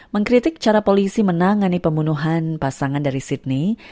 mengkritik cara polisi menangani pembunuhan pasangan dari sydney